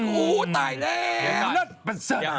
โอ้โหตายแล้วนั่นเป็นเสร็จมาก